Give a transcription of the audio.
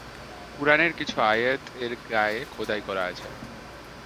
কুরআনের কিছু আয়াত এর গায়ে খোদাই করা আছে।